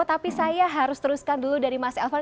tapi saya harus teruskan dulu dari mas elvan